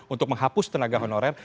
untuk menghapus tenaga honorer